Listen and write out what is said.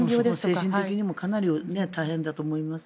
精神的にもかなり大変だと思います。